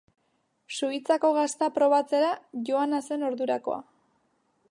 Suitzako gazta probatzera joana zen ordurako.